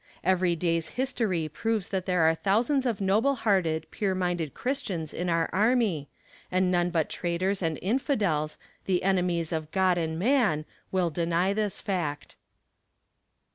Every day's history proves that there are thousands of noble hearted, pure minded christians in our army, and none but traitors and infidels, the enemies of God and man, will deny this fact.